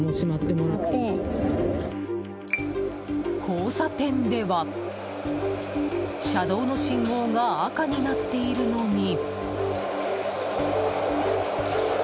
交差点では、車道の信号が赤になっているのに。